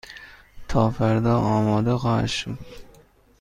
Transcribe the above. تا فردا آماده خواهد شد.